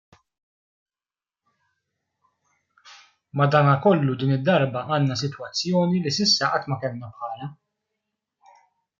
Madanakollu din id-darba għandna sitwazzjoni li s'issa qatt ma kellna bħalha.